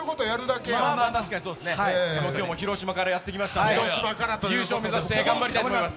今日も広島からやってきたので優勝目指して頑張ろうと思います。